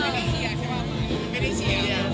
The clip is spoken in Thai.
ไม่ได้เชียร์ใช่ป่ะ